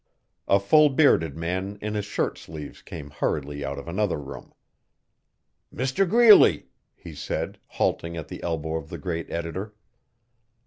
A full bearded man in his shirt sleeves came hurriedly out of another room. 'Mr Greeley,' he said, halting at the elbow of the great editor.